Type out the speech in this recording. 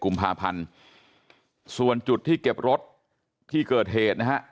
กุมภาพันธ์ส่วนจุดที่เก็บรถที่เกิดเหตุนะฮะ